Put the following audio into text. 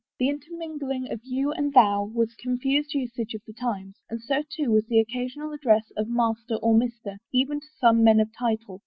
The intermingling of you " and " thou " was the confused usage of the times, and so, too, was the occa sional address of " Master " or " Mister," even to some men of title.